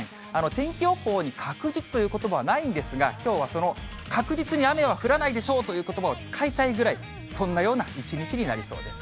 天気予報に確実ということばはないんですが、きょうはその確実に雨は降らないでしょうということばを使いたいぐらい、そんなような一日になりそうです。